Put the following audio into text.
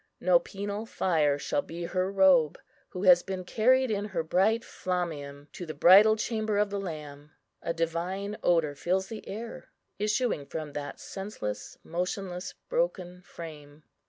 No penal fire shall be her robe, who has been carried in her bright flammeum to the Bridal Chamber of the Lamb. A divine odour fills the air, issuing from that senseless, motionless, broken frame.